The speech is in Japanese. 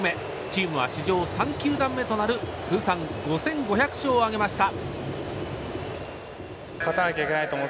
チームは史上３球団目となる通算５５００勝を挙げました。